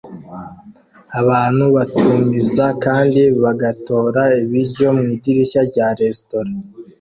Abantu batumiza kandi bagatora ibiryo mwidirishya rya resitora